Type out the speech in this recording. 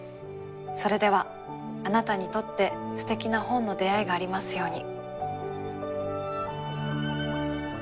それではあなたにとってすてきな本の出会いがありますように。